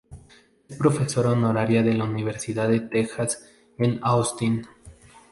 Es profesora honoraria de la universidad de Texas en Austin.